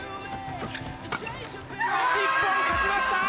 日本勝ちました！